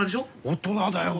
大人だよ。